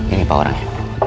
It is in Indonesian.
ini pak orangnya